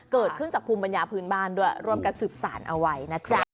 เกิดขึ้นจากภูมิปัญญาพื้นบ้านด้วยร่วมกันสืบสารเอาไว้นะจ๊ะ